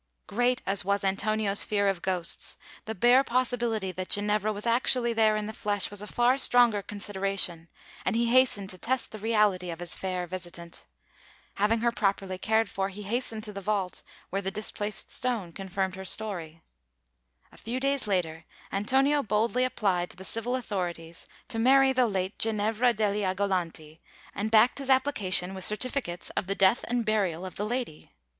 Great as was Antonio's fear of ghosts, the bare possibility that Ginevra was actually there in the flesh was a far stronger consideration; and he hastened to test the reality of his fair visitant. Having her properly cared for, he hastened to the vault, where the displaced stone confirmed her story. A few days later, Antonio boldly applied to the civil authorities to marry the "late Ginevra degli Agolanti," and backed his application with certificates of the death and burial of the lady!